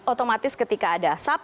otomatis ketika ada asap